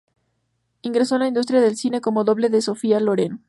Ingresó en la industria del cine como doble de Sofía Loren.